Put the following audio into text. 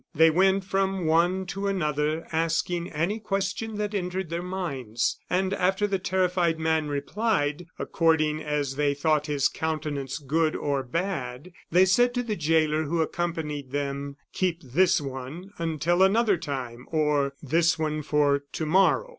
They went from one to another, asking any question that entered their minds, and after the terrified man replied, according as they thought his countenance good or bad, they said to the jailer who accompanied them: "Keep this one until another time," or, "This one for to morrow."